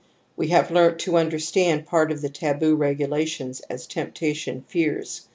We have learnt to imderstand part of the taboo regu lations as temptation fears.